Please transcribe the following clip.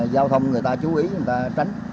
giao thông người ta chú ý người ta tránh